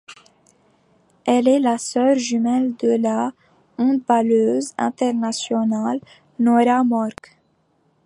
Elle est la sœur jumelle de la handballeuse internationale Nora Mørk.